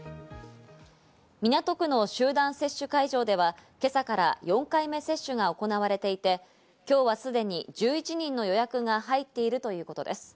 港区の集団接種会場では今朝から４回目接種が行われていて、今日はすでに１１人の予約が入っているということです。